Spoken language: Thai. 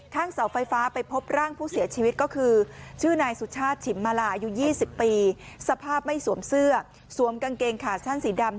เสาไฟฟ้าไปพบร่างผู้เสียชีวิตก็คือชื่อนายสุชาติฉิมมาลาอายุ๒๐ปีสภาพไม่สวมเสื้อสวมกางเกงขาสั้นสีดำ